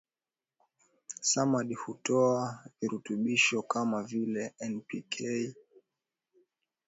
Samadi hutoa virutubisho kama vile N P K Ca Mg S